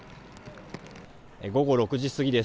午後６時過ぎです。